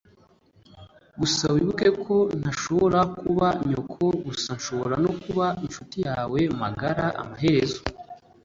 gusa wibuke ko ntashobora kuba nyoko gusa nshobora no kuba inshuti yawe magara amaherezo.